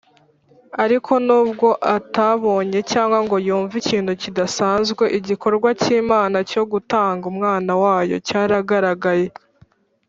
Ariko nubwo atabonye cyangwa ngo yumve ikintu kidasanzwe, igikorwa cy’Imana cyo gutanga Umwana wayo cyaragaragaye